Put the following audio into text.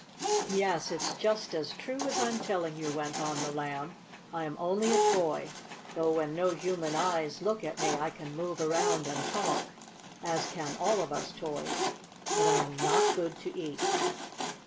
"Yes, it's just as true as I'm telling you," went on the Lamb. "I am only a toy, though when no human eyes look at me I can move around and talk, as can all of us toys. But I am not good to eat."